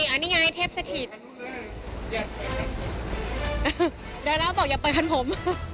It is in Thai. อันนี้ไงเทพสถิตได้แล้วบอกอย่าไปพันธุ์ผม